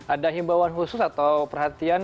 ada himbauan khusus atau perhatian